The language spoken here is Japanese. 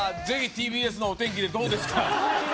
ぜひＴＢＳのお天気でどうですか